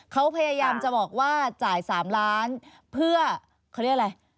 เขาพยายามจะบอกว่าจ่าย๓ล้านเพื่อเขาเรียกอะไร